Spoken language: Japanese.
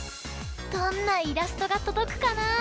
どんなイラストがとどくかな！